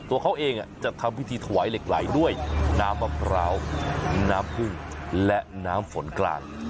ตัวเขาเองจะทำพิธีถวายเหล็กไหลด้วยน้ำมะพร้าวน้ำพึ่งและน้ำฝนกลาง